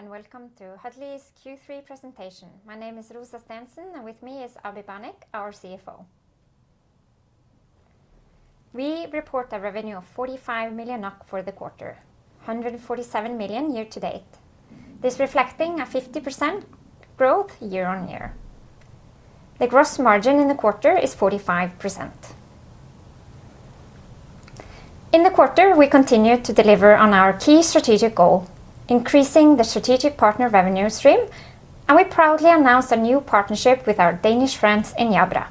Hello and welcome to Huddly's Q3 presentation. My name is Rósa Stensen, and with me is Abhijit Banik, our CFO. We report a revenue of 45 million NOK for the quarter, 147 million year-to-date. This is reflecting a 50% growth year-on-year. The gross margin in the quarter is 45%. In the quarter, we continued to deliver on our key strategic goal, increasing the strategic partner revenue stream, and we proudly announced a new partnership with our Danish friends in Jabra.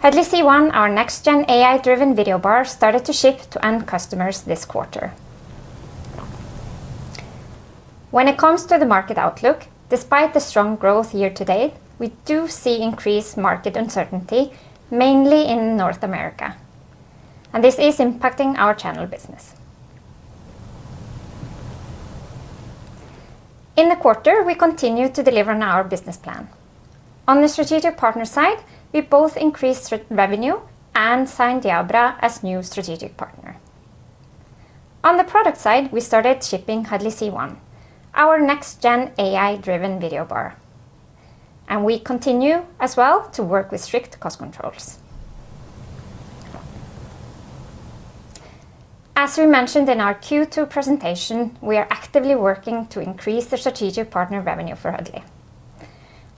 Huddly C1, our next-gen AI-driven video bar, started to ship to end customers this quarter. When it comes to the market outlook, despite the strong growth year-to-date, we do see increased market uncertainty, mainly in North America, and this is impacting our channel business. In the quarter, we continued to deliver on our business plan. On the strategic partner side, we both increased revenue and signed Jabra as a new strategic partner. On the product side, we started shipping Huddly C1, our next-gen AI-driven video bar. We continue as well to work with strict cost controls. As we mentioned in our Q2 presentation, we are actively working to increase the strategic partner revenue for Huddly.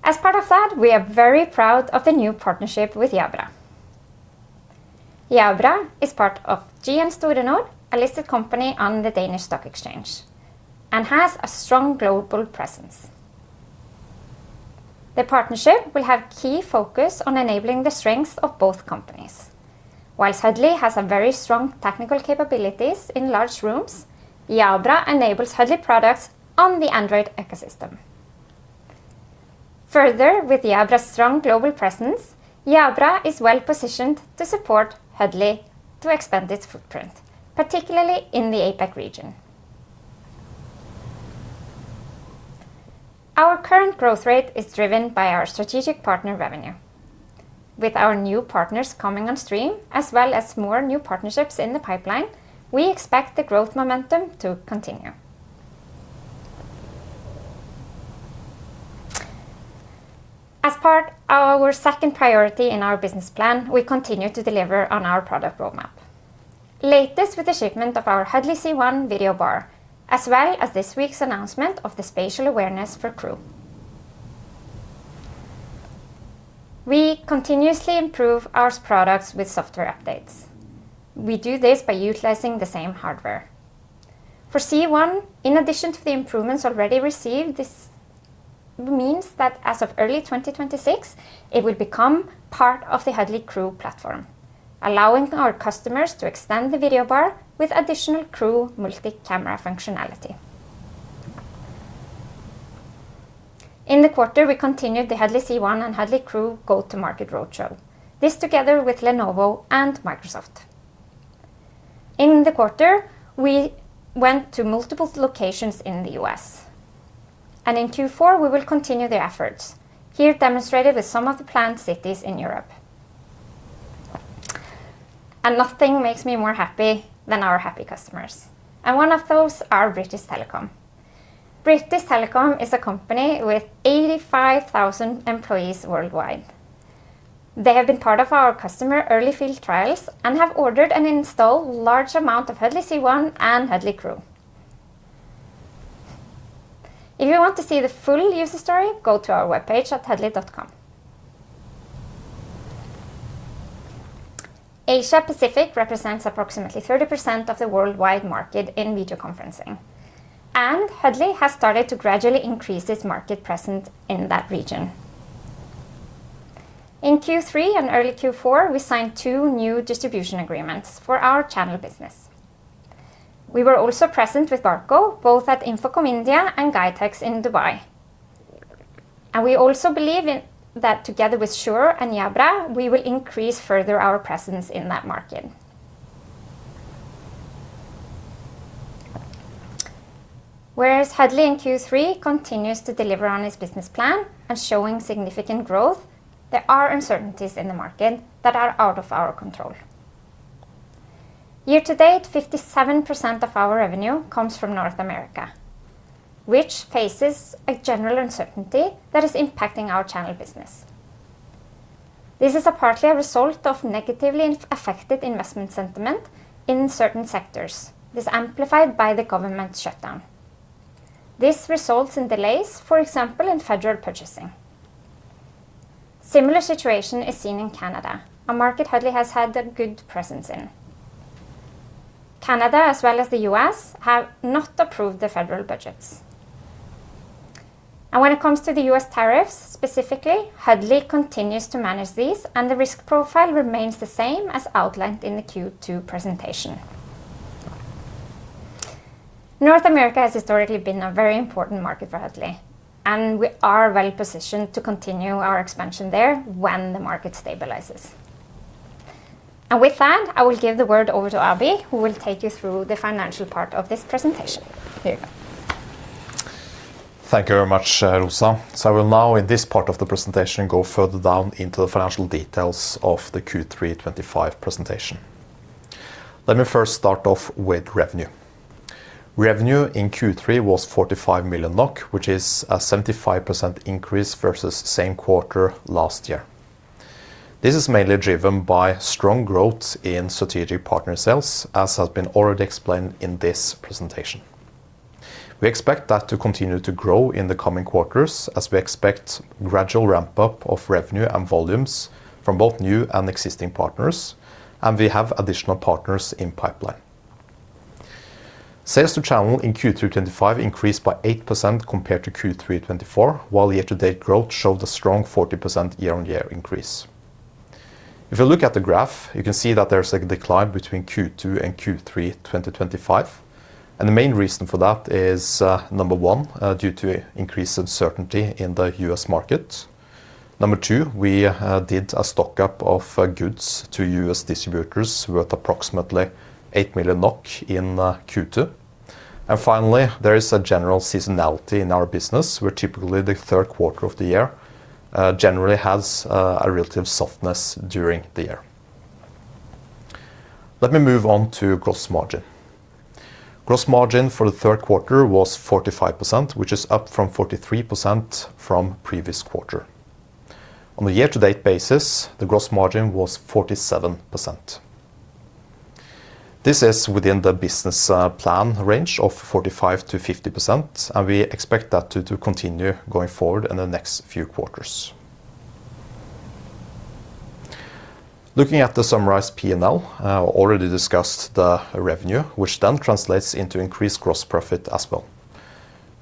As part of that, we are very proud of the new partnership with Jabra. Jabra is part of GN Store Nord, a listed company on the Danish stock exchange, and has a strong global presence. The partnership will have a key focus on enabling the strengths of both companies. While Huddly has very strong technical capabilities in large rooms, Jabra enables Huddly products on the Android ecosystem. Further, with Jabra's strong global presence, Jabra is well-positioned to support Huddly to expand its footprint, particularly in the APAC region. Our current growth rate is driven by our strategic partner revenue. With our new partners coming on stream, as well as more new partnerships in the pipeline, we expect the growth momentum to continue. As part of our second priority in our business plan, we continue to deliver on our product roadmap, latest with the shipment of our Huddly C1 video bar, as well as this week's announcement of the spatial awareness for Crew. We continuously improve our products with software updates. We do this by utilizing the same hardware. For C1, in addition to the improvements already received, this means that as of early 2026, it will become part of the Huddly Crew platform, allowing our customers to extend the video bar with additional Crew multi-camera functionality. In the quarter, we continued the Huddly C1 and Huddly Crew go-to-market roadshow, this together with Lenovo and Microsoft. In the quarter, we went to multiple locations in the U.S. In Q4, we will continue the efforts, here demonstrated with some of the planned cities in Europe. Nothing makes me more happy than our happy customers. One of those is British Telecom. British Telecom is a company with 85,000 employees worldwide. They have been part of our customer early field trials and have ordered and installed a large amount of Huddly C1 and Huddly Crew. If you want to see the full user story, go to our webpage at huddly.com. Asia-Pacific represents approximately 30% of the worldwide market in video conferencing, and Huddly has started to gradually increase its market presence in that region. In Q3 and early Q4, we signed two new distribution agreements for our channel business. We were also present with Barco, both at InfoComm India and GITEX in Dubai. We also believe that together with Shure and Jabra, we will increase further our presence in that market. Whereas Huddly in Q3 continues to deliver on its business plan and showing significant growth, there are uncertainties in the market that are out of our control. Year-to-date, 57% of our revenue comes from North America, which faces a general uncertainty that is impacting our channel business. This is partly a result of negatively affected investment sentiment in certain sectors, this amplified by the government shutdown. This results in delays, for example, in federal purchasing. A similar situation is seen in Canada, a market Huddly has had a good presence in. Canada, as well as the U.S., have not approved the federal budgets. When it comes to the U.S. tariffs specifically, Huddly continues to manage these, and the risk profile remains the same as outlined in the Q2 presentation. North America has historically been a very important market for Huddly, and we are well-positioned to continue our expansion there when the market stabilizes. With that, I will give the word over to Abhijit, who will take you through the financial part of this presentation. Here you go. Thank you very much, Rósa. I will now, in this part of the presentation, go further down into the financial details of the Q3 2025 presentation. Let me first start off with revenue. Revenue in Q3 was 45 million NOK, which is a 75% increase versus the same quarter last year. This is mainly driven by strong growth in strategic partner sales, as has been already explained in this presentation. We expect that to continue to grow in the coming quarters, as we expect a gradual ramp-up of revenue and volumes from both new and existing partners, and we have additional partners in pipeline. Sales to channel in Q3 2025 increased by 8% compared to Q3 2024, while year-to-date growth showed a strong 40% year-on-year increase. If you look at the graph, you can see that there's a decline between Q2 and Q3 2025, and the main reason for that is, number one, due to increased uncertainty in the U.S. market. Number two, we did a stock-up of goods to U.S. distributors worth approximately 8 million NOK in Q2. Finally, there is a general seasonality in our business, where typically the third quarter of the year generally has a relative softness during the year. Let me move on to gross margin. Gross margin for the third quarter was 45%, which is up from 43% from the previous quarter. On a year-to-date basis, the gross margin was 47%. This is within the business plan range of 45%-50%, and we expect that to continue going forward in the next few quarters. Looking at the summarized P&L, I already discussed the revenue, which then translates into increased gross profit as well.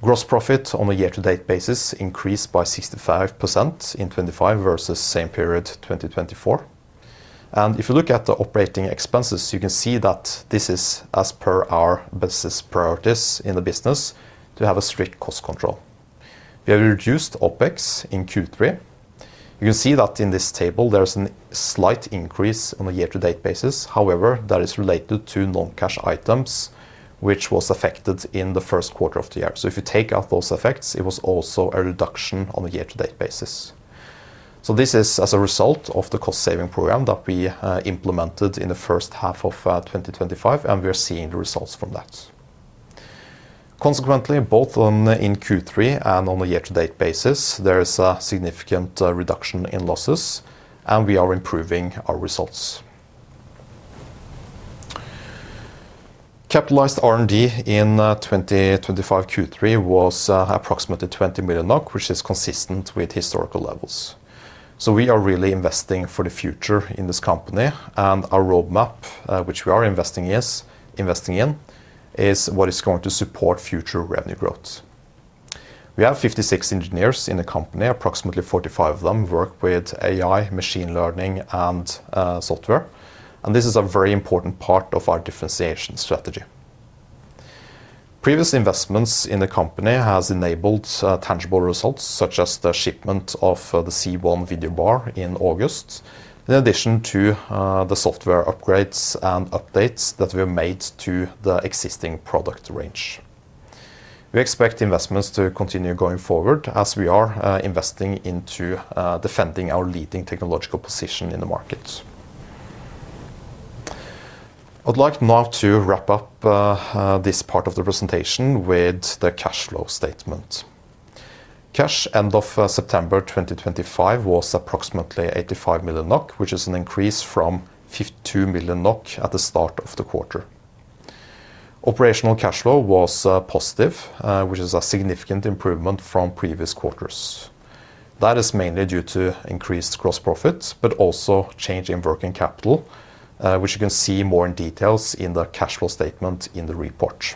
Gross profit on a year-to-date basis increased by 65% in 2025 versus the same period 2024. If you look at the operating expenses, you can see that this is, as per our business priorities in the business, to have a strict cost control. We have reduced OpEx in Q3. You can see that in this table, there is a slight increase on a year-to-date basis. However, that is related to non-cash items, which was affected in the first quarter of the year. If you take out those effects, it was also a reduction on a year-to-date basis. This is as a result of the cost-saving program that we implemented in the first half of 2025, and we are seeing the results from that. Consequently, both in Q3 and on a year-to-date basis, there is a significant reduction in losses, and we are improving our results. Capitalized R&D in 2023 Q3 was approximately 20 million NOK, which is consistent with historical levels. We are really investing for the future in this company, and our roadmap, which we are investing in, is what is going to support future revenue growth. We have 56 engineers in the company; approximately 45 of them work with AI, machine learning, and software, and this is a very important part of our differentiation strategy. Previous investments in the company have enabled tangible results, such as the shipment of the Huddly C1 video bar in August, in addition to the software upgrades and updates that were made to the existing product range. We expect investments to continue going forward, as we are investing into defending our leading technological position in the market. I'd like now to wrap up this part of the presentation with the cash flow statement. Cash end of September 2025 was approximately 85 million NOK, which is an increase from 52 million NOK at the start of the quarter. Operational cash flow was positive, which is a significant improvement from previous quarters. That is mainly due to increased gross profit, but also change in working capital, which you can see more in detail in the cash flow statement in the report.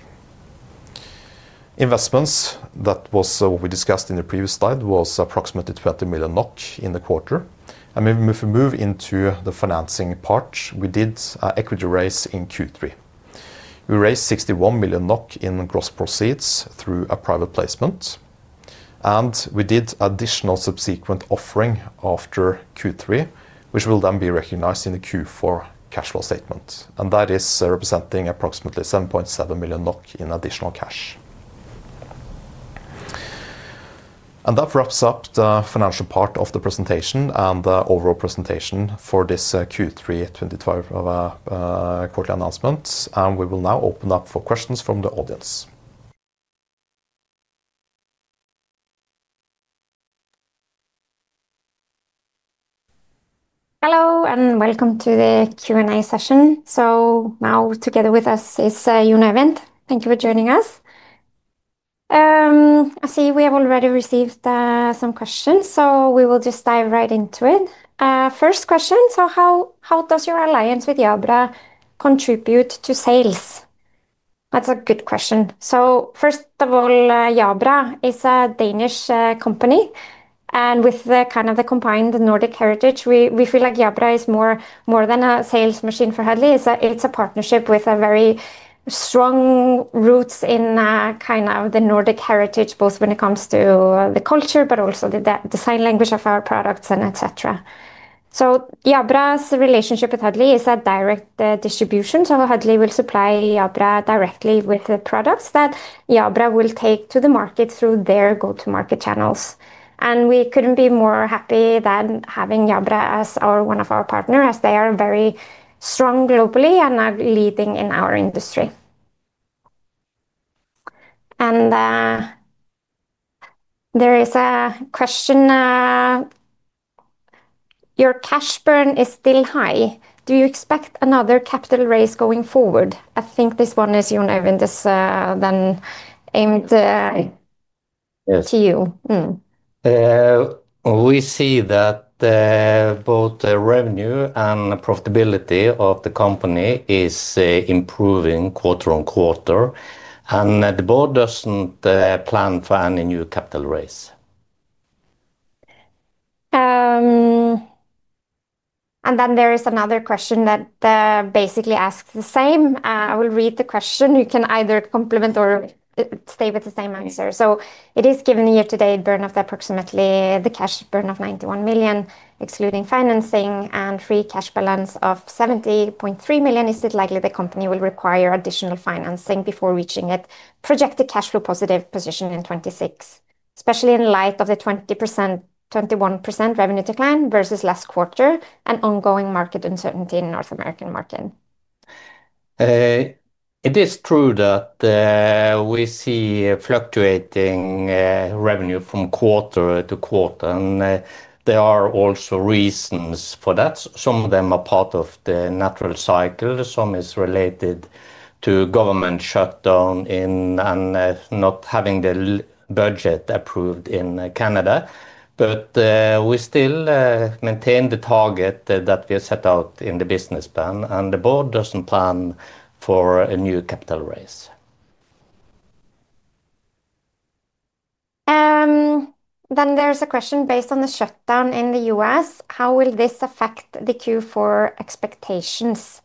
Investments, that was what we discussed in the previous slide, was approximately 20 million NOK in the quarter. If we move into the financing part, we did equity raise in Q3. We raised 61 million NOK in gross proceeds through a private placement. We did additional subsequent offering after Q3, which will then be recognized in the Q4 cash flow statement. That is representing approximately 7.7 million NOK in additional cash. That wraps up the financial part of the presentation and the overall presentation for this Q3 2025 quarterly announcement, and we will now open up for questions from the audience. Hello, and welcome to the Q&A session. Now, together with us is Jon Øyvind. Thank you for joining us. I see we have already received some questions, so we will just dive right into it. First question, how does your alliance with Jabra contribute to sales? That's a good question. First of all, Jabra is a Danish company, and with kind of the combined Nordic heritage, we feel like Jabra is more than a sales machine for Huddly. It is a partnership with very strong roots in kind of the Nordic heritage, both when it comes to the culture, but also the design language of our products, and et cetera. Jabra's relationship with Huddly is a direct distribution, so Huddly will supply Jabra directly with the products that Jabra will take to the market through their go-to-market channels. We couldn't be more happy than having Jabra as one of our partners, as they are very strong globally and are leading in our industry. There is a question. Your cash burn is still high. Do you expect another capital raise going forward? I think this one is, Jon Øyvind and to you. We see that both the revenue and profitability of the company is improving quarter on quarter, and the board doesn't plan for any new capital raise. There is another question that basically asks the same. I will read the question. You can either complement or stay with the same answer. It is, given the year-to-date burn of approximately the cash burn of 91 million, excluding financing, and free cash balance of 70.3 million. Is it likely the company will require additional financing before reaching its projected cash flow positive position in 2026, especially in light of the 21% revenue decline versus last quarter and ongoing market uncertainty in the North American market? It is true that we see fluctuating revenue from quarter to quarter, and there are also reasons for that. Some of them are part of the natural cycle. Some is related to government shutdown and not having the budget approved in Canada. We still maintain the target that we have set out in the business plan, and the board does not plan for a new capital raise. There is a question based on the shutdown in the U.S. How will this affect the Q4 expectations?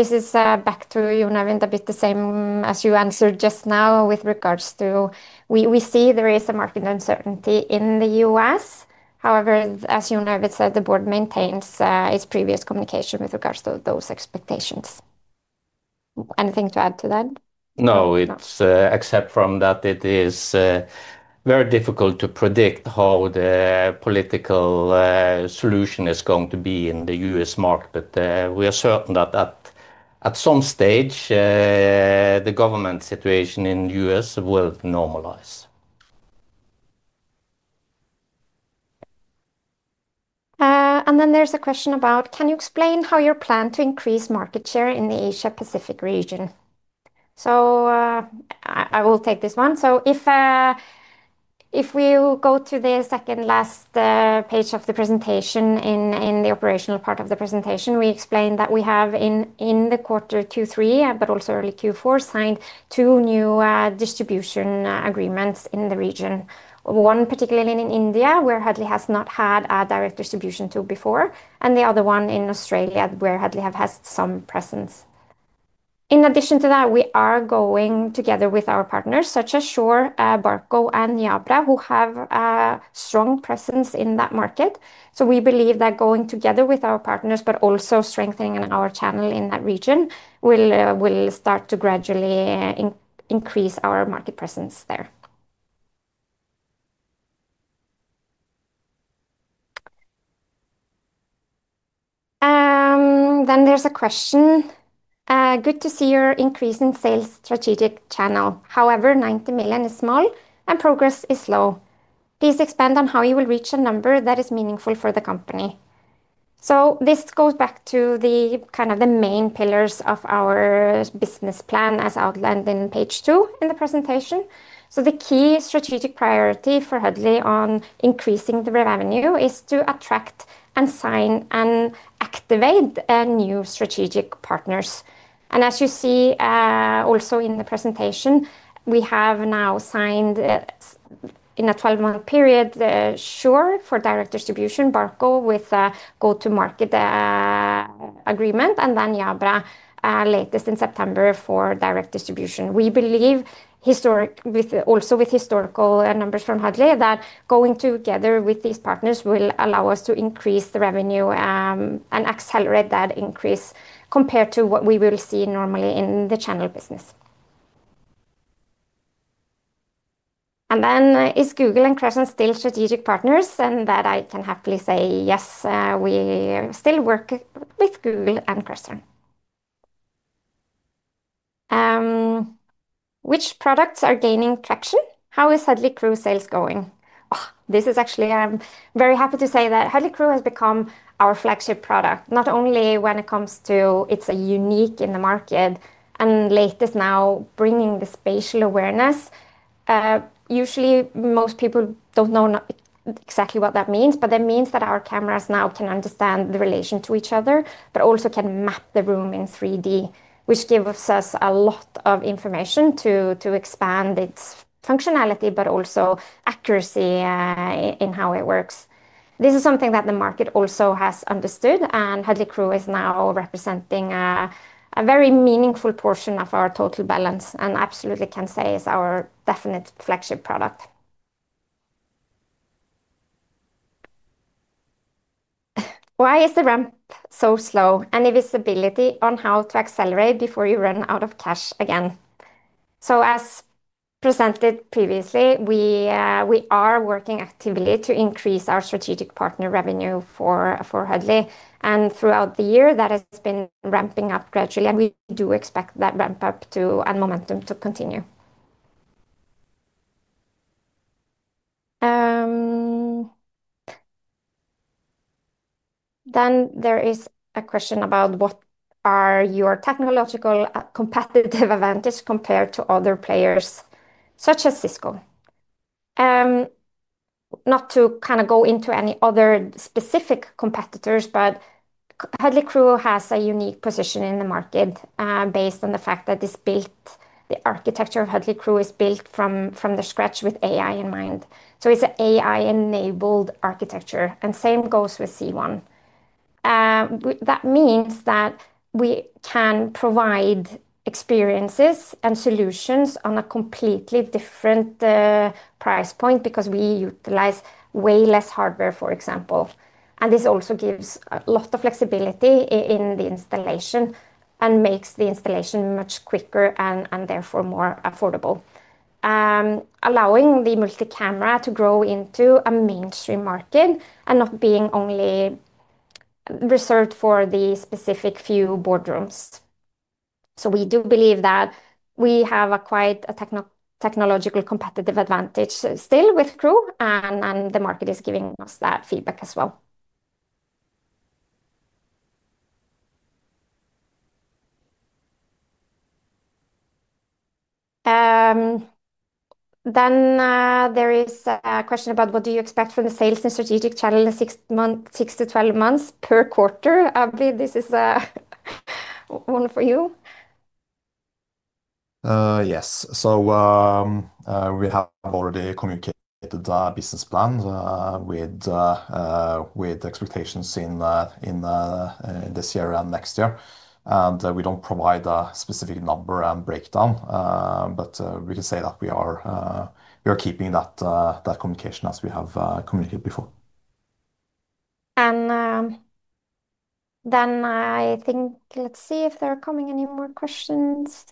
This is back toJon Øyvind, a bit the same as you answered just now with regards to. We see there is a market uncertainty in the U.S. However, as Jon said, the board maintains its previous communication with regards to those expectations. Anything to add to that? No, except from that it is very difficult to predict how the political solution is going to be in the U.S. market, but we are certain that at some stage the government situation in the U.S. will normalize. There is a question about, can you explain how you plan to increase market share in the Asia-Pacific region? I will take this one. If we go to the second last page of the presentation, in the operational part of the presentation, we explain that we have in the quarter Q3, but also early Q4, signed two new distribution agreements in the region. One particularly in India, where Huddly has not had a direct distribution to before, and the other one in Australia, where Huddly has some presence. In addition to that, we are going together with our partners such as Shure, Barco, and Jabra, who have a strong presence in that market. We believe that going together with our partners, but also strengthening our channel in that region, will start to gradually increase our market presence there. There is a question. Good to see your increase in sales strategic channel. However, 90 million is small, and progress is slow. Please expand on how you will reach a number that is meaningful for the company. This goes back to the kind of the main pillars of our business plan, as outlined in page two in the presentation. The key strategic priority for Huddly on increasing the revenue is to attract and sign and activate new strategic partners. As you see also in the presentation, we have now signed, in a 12-month period, Shure for direct distribution, Barco with a go-to-market agreement, and then Jabra, latest in September, for direct distribution. We believe, also with historical numbers from Huddly, that going together with these partners will allow us to increase the revenue and accelerate that increase compared to what we will see normally in the channel business. Is Google and Crestron still strategic partners? I can happily say yes, we still work with Google and Crestron. Which products are gaining traction? How is Huddly Crew sales going? This is actually, I'm very happy to say that Huddly Crew has become our flagship product, not only when it comes to its unique in the market and latest now bringing the spatial awareness. Usually, most people don't know exactly what that means, but that means that our cameras now can understand the relation to each other, but also can map the room in 3D, which gives us a lot of information to expand its functionality, but also accuracy in how it works. This is something that the market also has understood, and Huddly Crew is now representing a very meaningful portion of our total balance and absolutely can say is our definite flagship product. Why is the ramp so slow? Any visibility on how to accelerate before you run out of cash again? As presented previously, we are working actively to increase our strategic partner revenue for Huddly, and throughout the year, that has been ramping up gradually, and we do expect that ramp up and momentum to continue. There is a question about what are your technological competitive advantages compared to other players such as Cisco? Not to go into any other specific competitors, but Huddly Crew has a unique position in the market based on the fact that the architecture of Huddly Crew is built from scratch with AI in mind. It is an AI-enabled architecture, and the same goes with C1. That means that we can provide experiences and solutions at a completely different price point because we utilize way less hardware, for example. This also gives a lot of flexibility in the installation and makes the installation much quicker and therefore more affordable. Allowing the multi-camera to grow into a mainstream market and not being only reserved for the specific few boardrooms. We do believe that we have quite a technological competitive advantage still with Crew, and the market is giving us that feedback as well. There is a question about what do you expect from the sales and strategic channel in six months, 6-12 months per quarter? Abhijit, this is one for you. Yes. We have already communicated our business plan, with expectations in this year and next year. We do not provide a specific number and breakdown, but we can say that we are keeping that communication as we have communicated before. I think let's see if there are coming any more questions.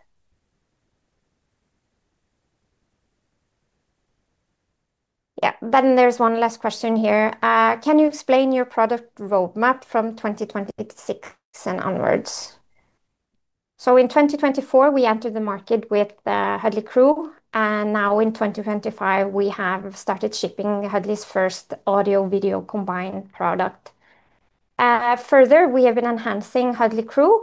Yeah, then there's one last question here. Can you explain your product roadmap from 2026 and onwards. In 2024, we entered the market with Huddly Crew, and now in 2025, we have started shipping Huddly's first audio-video combined product. Further, we have been enhancing Huddly Crew.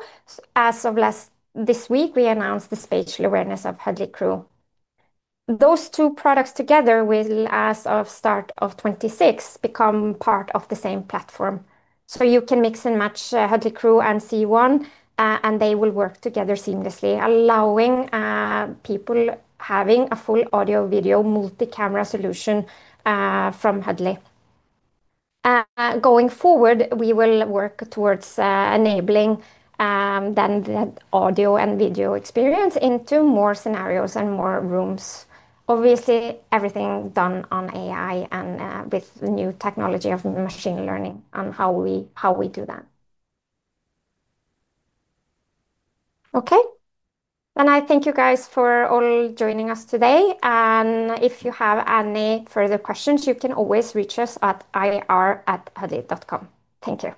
As of last this week, we announced the spatial awareness of Huddly Crew. Those two products together will, as of start of 2026, become part of the same platform. You can mix and match Huddly Crew and C1, and they will work together seamlessly, allowing people having a full audio-video multi-camera solution from Huddly. Going forward, we will work towards enabling the audio and video experience into more scenarios and more rooms. Obviously, everything done on AI and with the new technology of machine learning and how we do that. Okay. I thank you guys for all joining us today. If you have any further questions, you can always reach us at ir@huddly.com. Thank you.